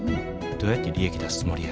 どうやって利益出すつもりや。